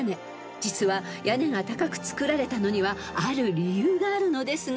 ［実は屋根が高く造られたのにはある理由があるのですが］